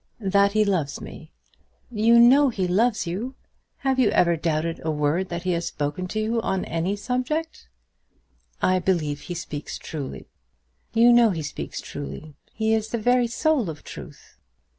"That he loves me." "You know he loves you. Have you ever doubted a word that he has spoken to you on any subject?" "I believe he speaks truly." "You know he speaks truly. He is the very soul of truth."